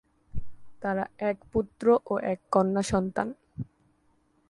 তারা এক পুত্র ও এক কন্যা সন্তান।